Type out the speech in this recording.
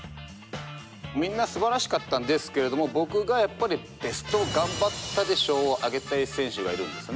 みんなすばらしかったんですけれども僕がやっぱりベスト“頑張った”で賞をあげたい選手がいるんですね。